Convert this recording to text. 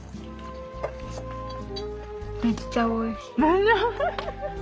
・めっちゃおいしい。